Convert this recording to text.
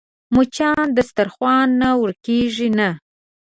مچان د دسترخوان نه ورکېږي نه